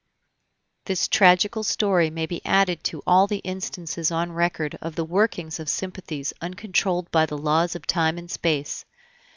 This tragical story may be added to all the instances on record of the workings of sympathies uncontrolled by the laws of time and space.